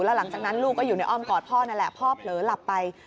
แล้วหลังจากนั้นลูกก็อยู่ในอ้อมกอดพ่อนั่นแหละพ่อเผลอหลับไป